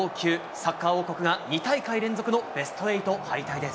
サッカー王国が２大会連続のベスト８敗退です。